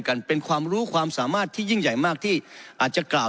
กันเป็นความรู้ความสามารถที่ยิ่งใหญ่มากที่อาจจะกล่าว